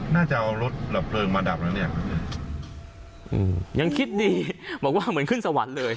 น่าจะเอารถดับเพลิงมาดับแล้วเนี่ยอืมยังคิดดีบอกว่าเหมือนขึ้นสวรรค์เลย